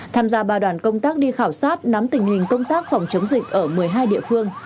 tham gia ba đoàn công tác đi khảo sát nắm tình hình công tác phòng chống dịch ở một mươi hai địa phương